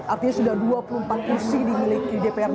artinya sudah dua puluh empat kursi dimiliki dprd